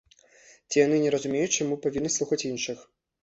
Ці яны не разумеюць, чаму павінны слухаць іншых.